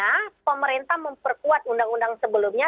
karena pemerintah memperkuat undang undang sebelumnya